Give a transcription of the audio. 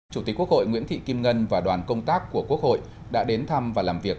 chủ tịch quốc hội nguyễn thị kim ngân và đoàn công tác của quốc hội đã đến thăm và làm việc